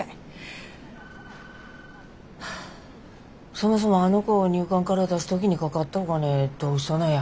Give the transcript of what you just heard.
そもそもあの子を入管から出す時にかかったお金どうしたなや？